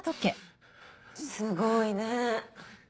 すごいねぇ。